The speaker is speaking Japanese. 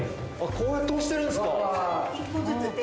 こうやって干してるんすか？